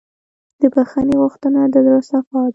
د بښنې غوښتنه د زړه صفا ده.